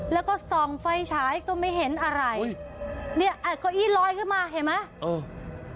แล้วก็ส่องไฟฉายก็ไม่เห็นอะไรอุ้ยเนี่ยเก้าอี้ลอยขึ้นมาเห็นไหมเออ